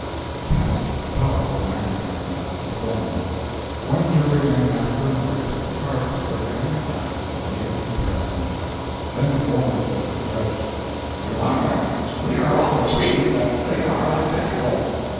He passed a powerful magnifying glass to the foreman. One juryman after another took the cardboard and the glass and made the comparison. Then the foreman said to the judge "Your honor, we are all agreed that they are identical."